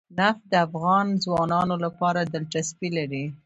نفت د افغان ځوانانو لپاره دلچسپي لري.